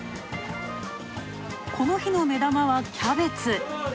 この日の目玉はキャベツ。